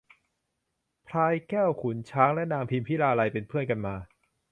พลายแก้ว ขุนช้าง และนางพิมพิลาไลยเป็นเพื่อนกันมา